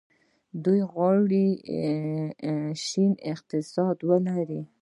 دوی غواړي شنه اقتصاد ولري.